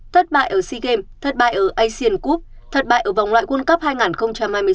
thất bại ở sea games thất bại ở asian gub thất bại ở vòng loại world cup hai nghìn hai mươi sáu